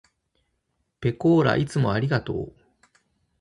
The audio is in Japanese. ぺこーらいつもありがとう。